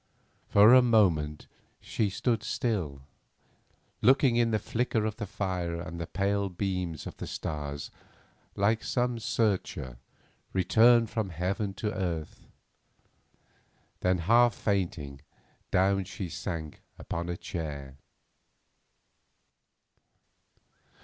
For a moment, she stood still, looking in the flicker of the fire and the pale beams of the stars like some searcher returned from heaven to earth. Then, half fainting, down she sank upon a chair.